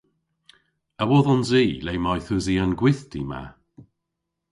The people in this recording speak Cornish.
A wodhons i le mayth usi an gwithti ma?